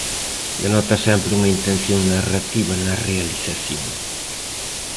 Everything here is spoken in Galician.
Denota sempre unha intención narrativa na realización.